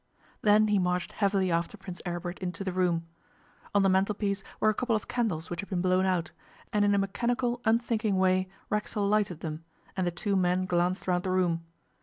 Then he marched heavily after Prince Aribert into the room. On the mantelpiece were a couple of candles which had been blown out, and in a mechanical, unthinking way, Racksole lighted them, and the two men glanced round the room.